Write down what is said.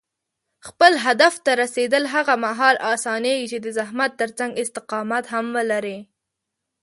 خپل هدف ته رسېدل هغه مهال اسانېږي چې د زحمت ترڅنګ استقامت هم لرې.